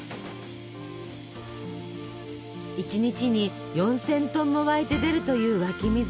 １日に４，０００トンも湧いて出るという湧き水。